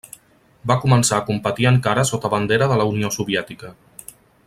Va començar a competir encara sota bandera de la Unió Soviètica.